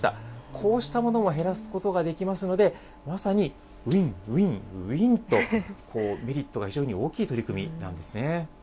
こうしたものを減らすことができますので、まさにウインウインウインと、メリットが非常に大きい取り組みなんですね。